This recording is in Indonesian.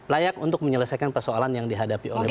layak untuk menyelesaikan persoalan yang dihadapi oleh bang sandi